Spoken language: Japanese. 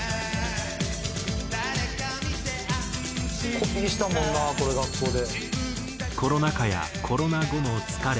コピーしたもんなこれ学校で。